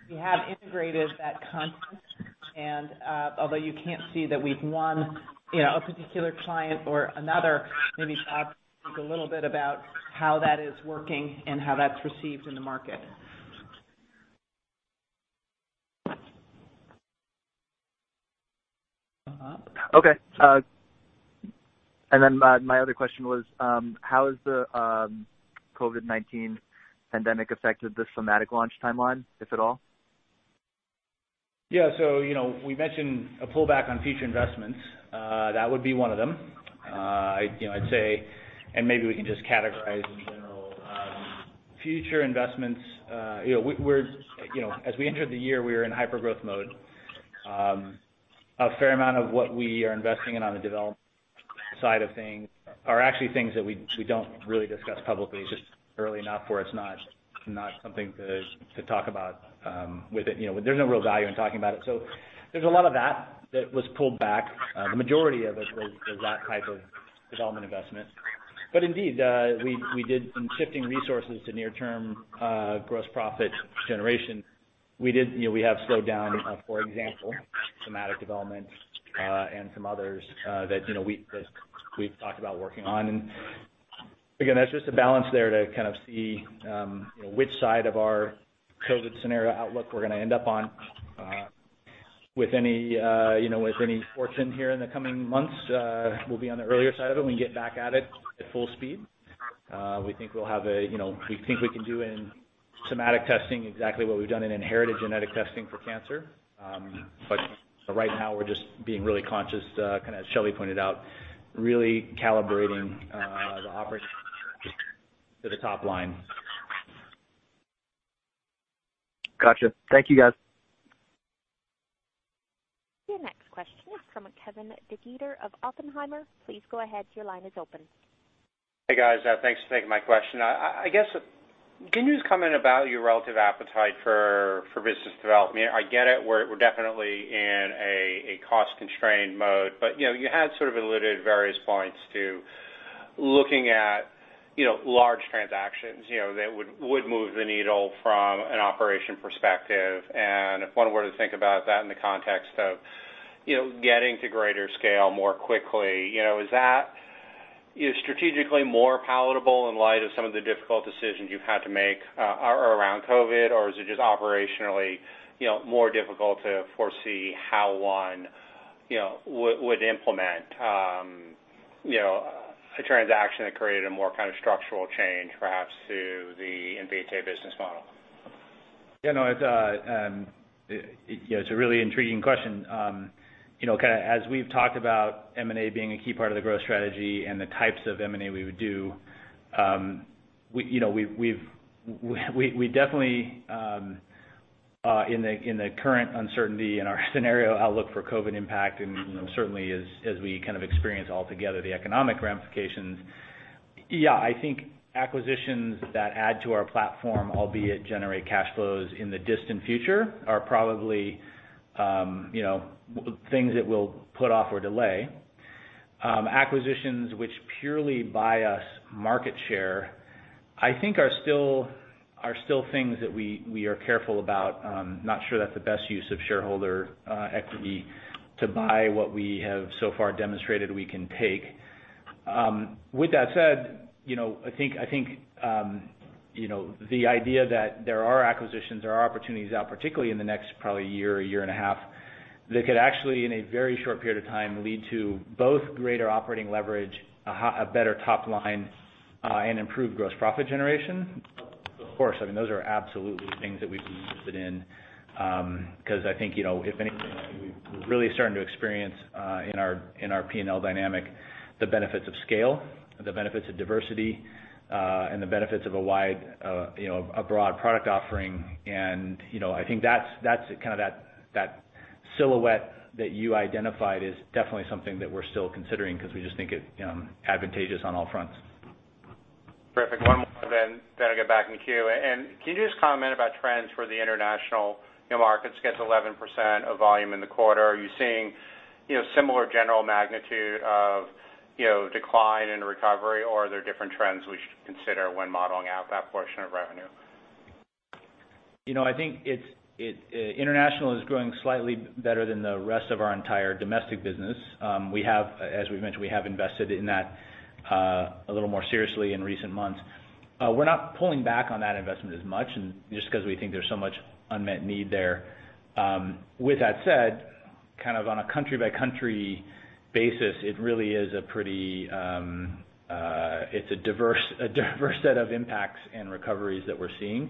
We have integrated that content. Although you can't see that we've won a particular client or another, maybe Scott can speak a little bit about how that is working and how that's perceived in the market. Okay. My other question was, how has the COVID-19 pandemic affected the somatic launch timeline, if at all? Yeah. We mentioned a pullback on future investments. That would be one of them, I'd say, and maybe we can just categorize in general, future investments. As we entered the year, we were in hyper-growth mode. A fair amount of what we are investing in on the development side of things are actually things that we don't really discuss publicly, just early enough where it's not something to talk about. There's no real value in talking about it. There's a lot of that that was pulled back. The majority of it was that type of development investment. Indeed, we did some shifting resources to near-term gross profit generation. We have slowed down, for example, somatic development, and some others that we've talked about working on. Again, that's just a balance there to kind of see which side of our COVID scenario outlook we're going to end up on. With any fortune here in the coming months, we'll be on the earlier side of it and we can get back at it at full speed. We think we can do in somatic testing exactly what we've done in inherited genetic testing for cancer. For right now, we're just being really conscious, kind of as Shelly pointed out, really calibrating the operations to the top line. Got you. Thank you, guys. Your next question is from Kevin DeGeeter of Oppenheimer. Please go ahead, your line is open. Hey, guys. Thanks for taking my question. I guess, can you just comment about your relative appetite for business development? I get it, we're definitely in a cost-constrained mode, but you had sort of alluded at various points to looking at large transactions that would move the needle from an operation perspective. If one were to think about that in the context of getting to greater scale more quickly, is that strategically more palatable in light of some of the difficult decisions you've had to make around COVID-19, or is it just operationally more difficult to foresee how one would implement a transaction that created a more kind of structural change, perhaps, to the Invitae business model? Yeah, no, it's a really intriguing question. As we've talked about M&A being a key part of the growth strategy and the types of M&A we would do, we definitely, in the current uncertainty in our scenario outlook for COVID impact and certainly as we kind of experience altogether the economic ramifications, yeah, I think acquisitions that add to our platform, albeit generate cash flows in the distant future, are probably things that we'll put off or delay. Acquisitions which purely buy us market share, I think are still things that we are careful about. Not sure that's the best use of shareholder equity to buy what we have so far demonstrated we can take. With that said, I think, the idea that there are acquisitions, there are opportunities out, particularly in the next probably year or year and a half, that could actually, in a very short period of time, lead to both greater operating leverage, a better top line, and improved gross profit generation. Of course, I mean, those are absolutely things that we'd be interested in. I think, if anything, we're really starting to experience, in our P&L dynamic, the benefits of scale, the benefits of diversity, and the benefits of a broad product offering. I think that silhouette that you identified is definitely something that we're still considering because we just think it advantageous on all fronts. Perfect. One more then I've got to get back in queue. Can you just comment about trends for the international markets? Gets 11% of volume in the quarter. Are you seeing similar general magnitude of decline and recovery, or are there different trends we should consider when modeling out that portion of revenue? I think international is growing slightly better than the rest of our entire domestic business. As we've mentioned, we have invested in that a little more seriously in recent months. We're not pulling back on that investment as much, just because we think there's so much unmet need there. With that said, on a country-by-country basis, it really is a pretty diverse set of impacts and recoveries that we're seeing.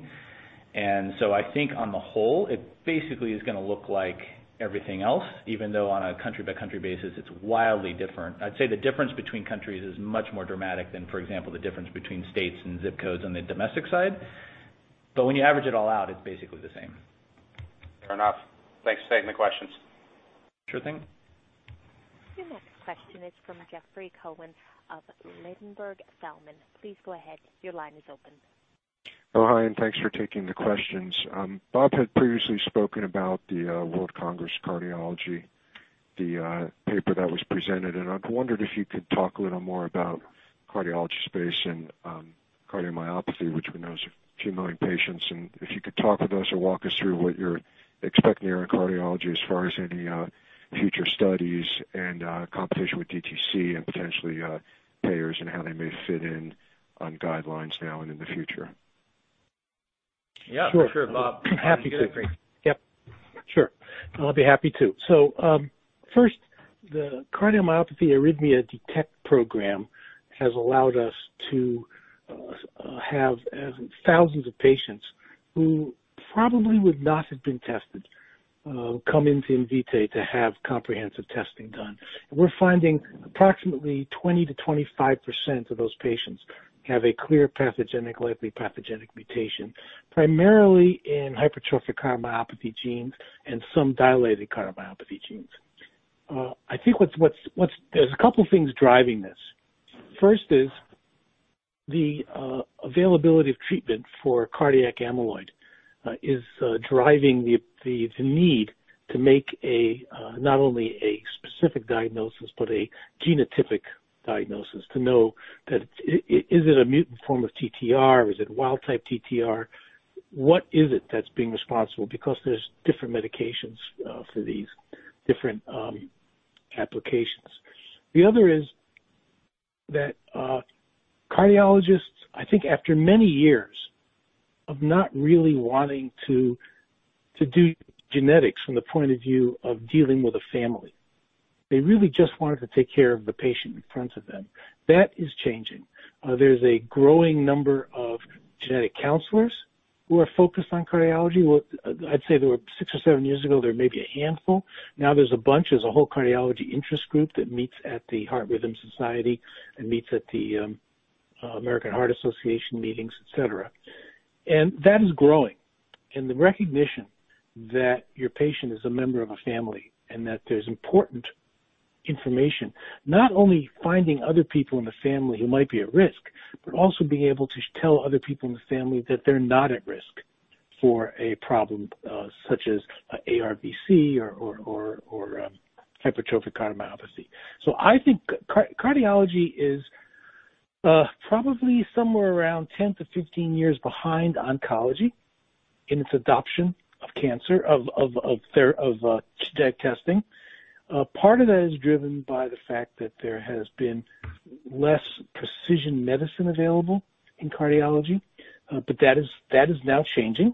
I think on the whole, it basically is going to look like everything else, even though on a country-by-country basis it's wildly different. I'd say the difference between countries is much more dramatic than, for example, the difference between states and ZIP codes on the domestic side. When you average it all out, it's basically the same. Fair enough. Thanks for taking the questions. Sure thing. Your next question is from Jeffrey Cohen of Ladenburg Thalmann. Please go ahead. Your line is open. Hi, thanks for taking the questions. Bob had previously spoken about the World Congress of Cardiology, the paper that was presented, and I wondered if you could talk a little more about cardiology space and cardiomyopathy, which we know is a few million patients. If you could talk with us or walk us through what you're expecting around cardiology as far as any future studies and competition with DTC and potentially payers and how they may fit in on guidelines now and in the future. Yeah, sure. Bob, you get it. Sure. Happy to. Yep. Sure. I'll be happy to. First, the Cardiomyopathy Arrhythmia Detect Program has allowed us to have thousands of patients who probably would not have been tested come into Invitae to have comprehensive testing done. We're finding approximately 20%-25% of those patients have a clear pathogenic, likely pathogenic mutation, primarily in hypertrophic cardiomyopathy genes and some dilated cardiomyopathy genes. There's a couple of things driving this. First is the availability of treatment for cardiac amyloid is driving the need to make not only a specific diagnosis, but a genotypic diagnosis to know that is it a mutant form of TTR? Is it wild type TTR? What is it that's being responsible? Because there's different medications for these different applications. The other is that cardiologists, I think after many years of not really wanting to do genetics from the point of view of dealing with a family, they really just wanted to take care of the patient in front of them. That is changing. There's a growing number of genetic counselors who are focused on cardiology. I'd say there were six or seven years ago, there may be a handful. Now there's a bunch. There's a whole cardiology interest group that meets at the Heart Rhythm Society and meets at the American Heart Association meetings, et cetera. That is growing. The recognition that your patient is a member of a family and that there is important information, not only finding other people in the family who might be at risk, but also being able to tell other people in the family that they are not at risk for a problem such as ARVC or hypertrophic cardiomyopathy. I think cardiology is probably somewhere around 10-15 years behind oncology in its adoption of genetic testing. Part of that is driven by the fact that there has been less precision medicine available in cardiology. That is now changing,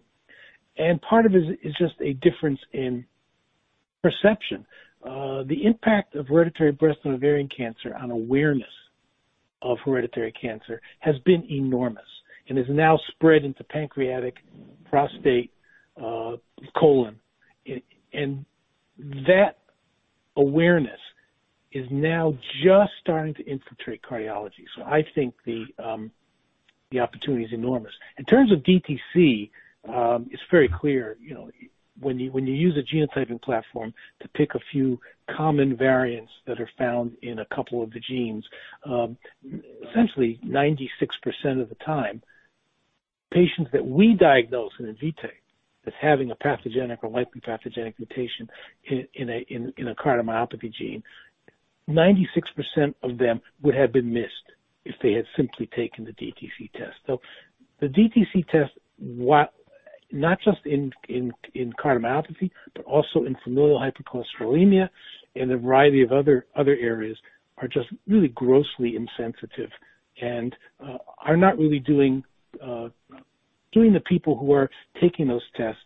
and part of it is just a difference in perception. The impact of hereditary breast and ovarian cancer on awareness of hereditary cancer has been enormous and has now spread into pancreatic, prostate, colon. That awareness is now just starting to infiltrate cardiology. I think the opportunity is enormous. In terms of DTC, it's very clear, when you use a genotyping platform to pick a few common variants that are found in a couple of the genes, essentially 96% of the time, patients that we diagnose in Invitae as having a pathogenic or likely pathogenic mutation in a cardiomyopathy gene, 96% of them would have been missed if they had simply taken the DTC test. The DTC test, not just in cardiomyopathy, but also in familial hypercholesterolemia and a variety of other areas, are just really grossly insensitive and are not really doing the people who are taking those tests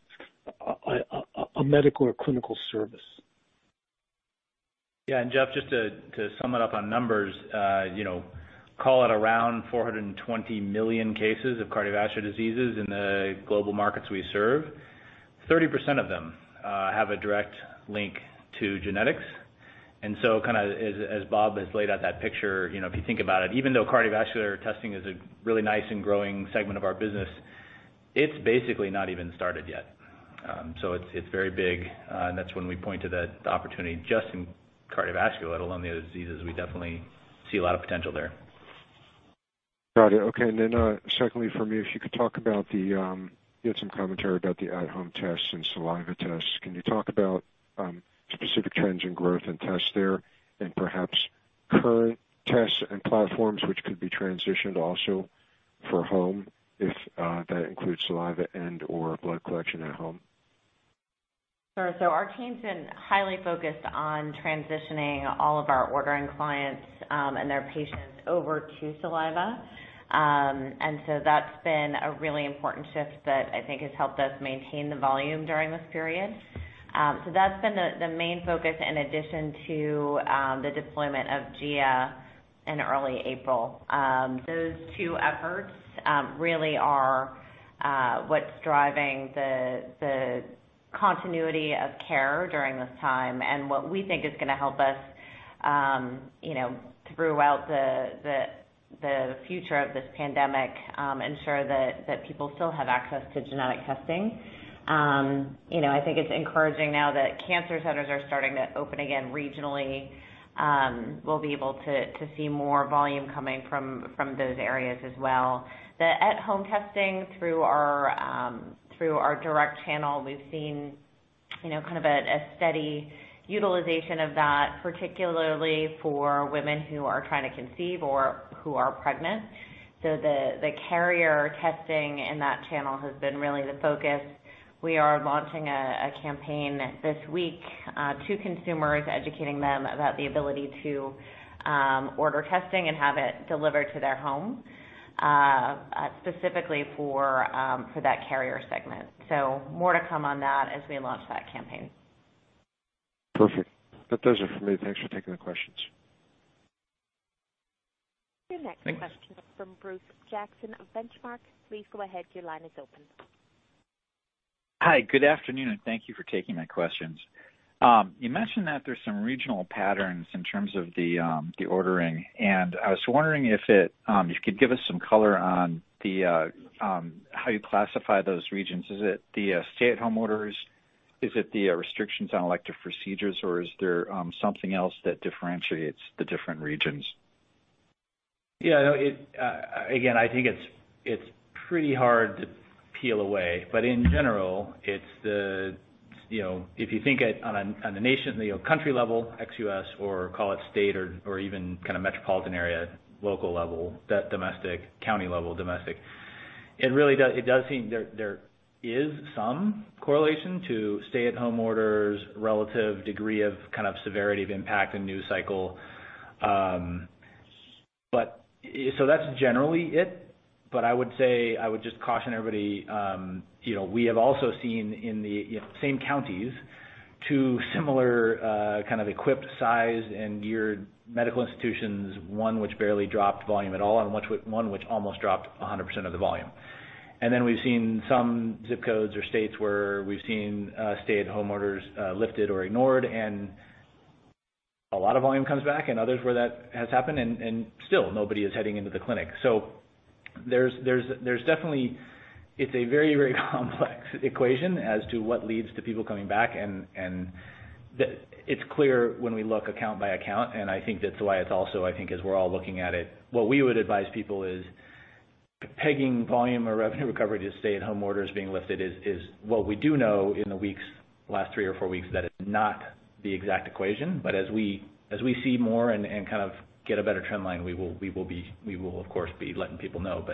a medical or clinical service. Yeah. Jeff, just to sum it up on numbers, call it around 420 million cases of cardiovascular diseases in the global markets we serve. 30% of them have a direct link to genetics, kind of as Bob has laid out that picture, if you think about it, even though cardiovascular testing is a really nice and growing segment of our business, it's basically not even started yet. It's very big, and that's when we point to the opportunity just in cardiovascular, let alone the other diseases. We definitely see a lot of potential there. Got it. Okay. Secondly for me, if you could talk about- you had some commentary about the at-home tests and saliva tests. Can you talk about specific trends in growth and tests there, and perhaps current tests and platforms which could be transitioned also for home, if that includes saliva and/or blood collection at home? Sure. Our team's been highly focused on transitioning all of our ordering clients and their patients over to saliva. That's been a really important shift that I think has helped us maintain the volume during this period. That's been the main focus in addition to the deployment of Gia in early April. Those two efforts really are what's driving the continuity of care during this time and what we think is going to help us throughout the future of this pandemic ensure that people still have access to genetic testing. I think it's encouraging now that cancer centers are starting to open again regionally. We'll be able to see more volume coming from those areas as well. The at-home testing through our direct channel, we've seen a steady utilization of that, particularly for women who are trying to conceive or who are pregnant. The carrier testing in that channel has been really the focus. We are launching a campaign this week to consumers, educating them about the ability to order testing and have it delivered to their home, specifically for that carrier segment. More to come on that as we launch that campaign. Perfect. That does it for me. Thanks for taking the questions. Your next question is from Bruce Jackson of Benchmark. Please go ahead. Your line is open. Hi, good afternoon. Thank you for taking my questions. You mentioned that there's some regional patterns in terms of the ordering, and I was wondering if you could give us some color on how you classify those regions. Is it the stay-at-home orders? Is it the restrictions on elective procedures, or is there something else that differentiates the different regions? Yeah. I think it's pretty hard to peel away. In general, if you think on the country level, ex-U.S., or call it state or even metropolitan area, local level, that domestic county level domestic, it does seem there is some correlation to stay-at-home orders, relative degree of severity of impact and news cycle. That's generally it. I would just caution everybody, we have also seen in the same counties, two similar equipped, sized, and geared medical institutions, one which barely dropped volume at all, and one which almost dropped 100% of the volume. We've seen some ZIP codes or states where we've seen stay-at-home orders lifted or ignored, and a lot of volume comes back, and others where that has happened and still, nobody is heading into the clinic. It's a very, very complex equation as to what leads to people coming back and it's clear when we look account by account, and I think that's why it's also, I think, as we're all looking at it, what we would advise people is pegging volume or revenue recovery to stay-at-home orders being lifted is what we do know in the last three or four weeks, that it's not the exact equation, but as we see more and get a better trend line, we will of course be letting people know.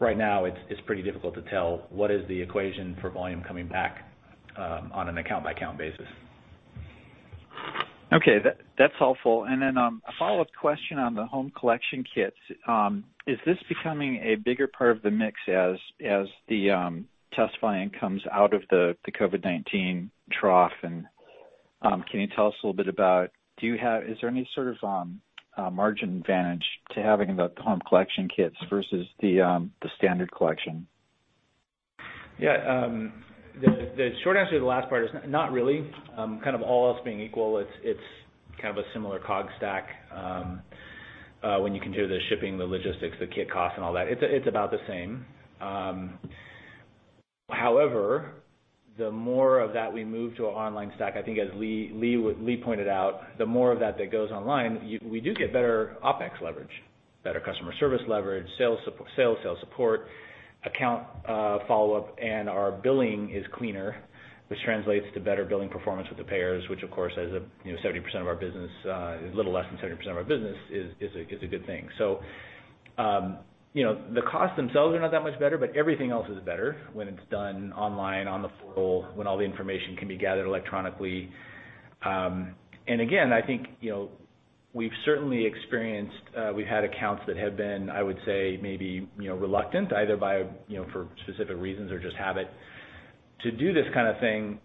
Right now, it's pretty difficult to tell what is the equation for volume coming back on an account-by-account basis. Okay. That's helpful. Then a follow-up question on the home collection kits. Is this becoming a bigger part of the mix as the test volume comes out of the COVID-19 trough? Can you tell us a little bit about, is there any sort of margin advantage to having the home collection kits versus the standard collection? Yeah. The short answer to the last part is not really. All else being equal, it's a similar COGS stack. When you consider the shipping, the logistics, the kit cost and all that, it's about the same. However, the more of that we move to an online stack, I think as Lee pointed out, the more of that that goes online, we do get better OpEx leverage, better customer service leverage, sales support, account follow-up, and our billing is cleaner, which translates to better billing performance with the payers, which, of course, as a little less than 70% of our business is a good thing. The costs themselves are not that much better, but everything else is better when it's done online, on the phone, when all the information can be gathered electronically. Again, I think we've certainly experienced, we've had accounts that have been, I would say, maybe reluctant either for specific reasons or just habit to do this kind of thing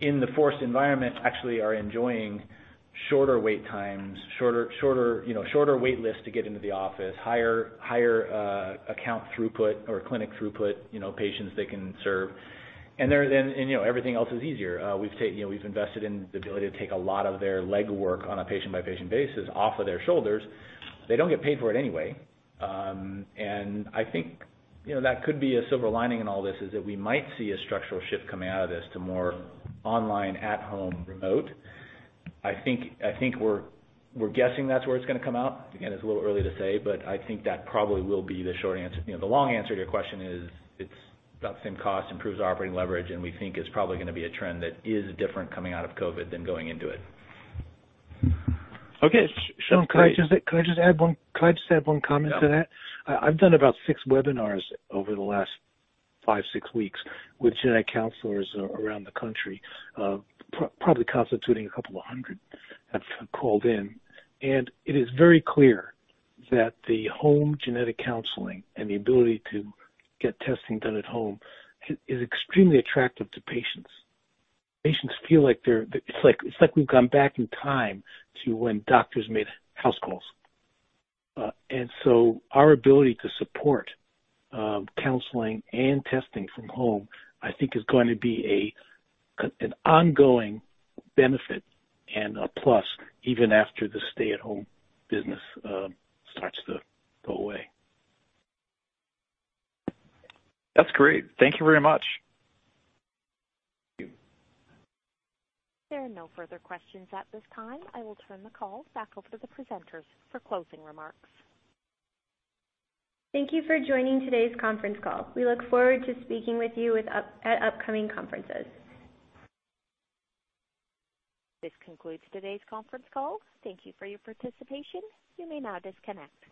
in the forced environment, actually are enjoying shorter wait times, shorter wait lists to get into the office, higher account throughput or clinic throughput, patients they can serve. Everything else is easier. We've invested in the ability to take a lot of their legwork on a patient-by-patient basis off of their shoulders. They don't get paid for it anyway. I think that could be a silver lining in all this, is that we might see a structural shift coming out of this to more online, at-home, remote. I think we're guessing that's where it's going to come out. It's a little early to say, but I think that probably will be the short answer. The long answer to your question is it's about the same cost, improves operating leverage, and we think it's probably going to be a trend that is different coming out of COVID than going into it. Okay. Sounds great. Sean, could I just add one comment to that? Yeah. I've done about six webinars over the last five, six weeks with genetic counselors around the country, probably constituting a couple of hundred have called in. It is very clear that the home genetic counseling and the ability to get testing done at home is extremely attractive to patients. Patients feel like we've gone back in time to when doctors made house calls. Our ability to support counseling and testing from home, I think is going to be an ongoing benefit and a plus even after the stay-at-home business starts to go away. That's great. Thank you very much. Thank you. There are no further questions at this time. I will turn the call back over to the presenters for closing remarks. Thank you for joining today's conference call. We look forward to speaking with you at upcoming conferences. This concludes today's conference call. Thank you for your participation. You may now disconnect.